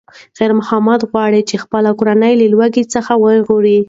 خیر محمد غواړي چې خپله کورنۍ له لوږې څخه وژغوري.